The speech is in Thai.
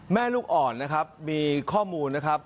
ลูกอ่อนนะครับมีข้อมูลนะครับ